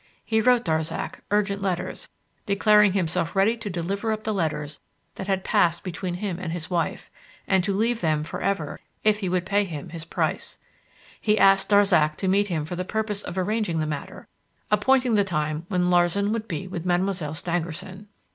He wrote Darzac urgent letters, declaring himself ready to deliver up the letters that had passed between him and his wife, and to leave them for ever, if he would pay him his price. He asked Darzac to meet him for the purpose of arranging the matter, appointing the time when Larsan would be with Mademoiselle Stangerson.